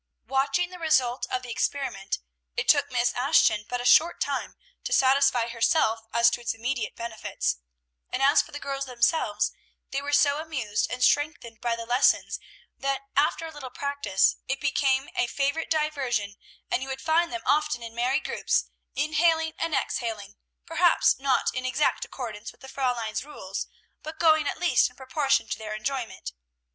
Watching the result of the experiment, it took Miss Ashton but a short time to satisfy herself as to its immediate benefits; and as for the girls themselves, they were so amused and strengthened by the lessons that, after a little practice, it became a favorite diversion, and you would find them often in merry groups, inhaling and exhaling, perhaps not in exact accordance with the Fräulein's rules, but gaining at least in proportion to their enjoyment.